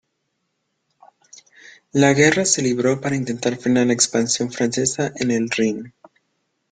La guerra se libró para intentar frenar la expansión francesa en el Rin.